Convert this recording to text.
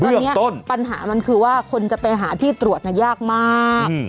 ตอนนี้ปัญหามันคือว่าคนจะไปหาที่ตรวจยากมาก